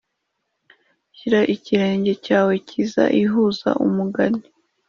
shira ikirenge cyawe cyiza ihuza umugani